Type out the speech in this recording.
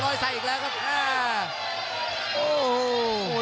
โอ้โห